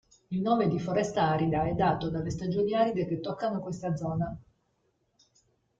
Il nome di foresta arida è dato dalle stagioni aride che toccano questa zona.